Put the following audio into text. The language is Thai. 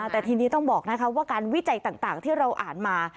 แต่ทีนี้ต้องบอกว่าการวิจัยต่างที่เราอ่านมา